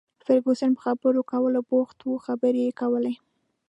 فرګوسن په خبرو کولو بوخته وه، خبرې یې کولې.